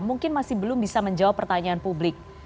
mungkin masih belum bisa menjawab pertanyaan publik